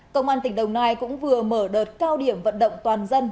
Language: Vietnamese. công an tỉnh đồng nai cũng vừa mở đợt cao điểm vận động toàn dân